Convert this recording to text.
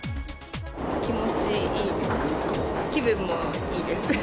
気持ちいいですね。